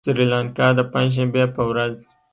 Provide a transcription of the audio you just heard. سريلانکا د پنجشنبې په ورځ